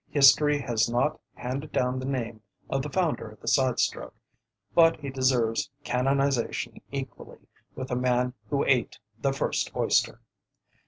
History has not handed down the name of the founder of the side stroke, but he deserves canonization equally with the man who ate the first oyster.